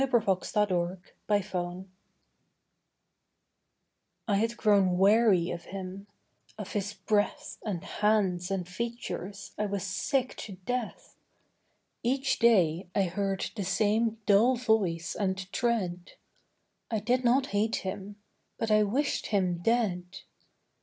THOU SHALT NOT KILL I had grown weary of him; of his breath And hands and features I was sick to death. Each day I heard the same dull voice and tread; I did not hate him: but I wished him dead.